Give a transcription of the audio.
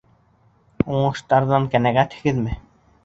Уңыштарҙан ҡәнәғәтһегеҙме?